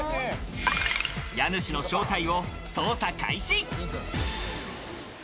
家主の正体を捜査開始。